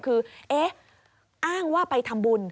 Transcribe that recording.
คือเอ๊ะอ้างว่าไปทำบุญ